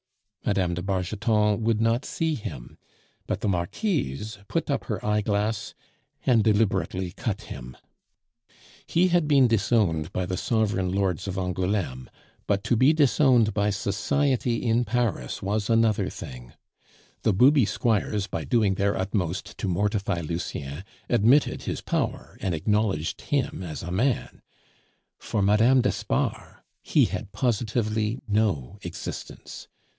Mme. de Bargeton would not see him; but the Marquise put up her eyeglass, and deliberately cut him. He had been disowned by the sovereign lords of Angouleme, but to be disowned by society in Paris was another thing; the booby squires by doing their utmost to mortify Lucien admitted his power and acknowledged him as a man; for Mme. d'Espard he had positively no existence.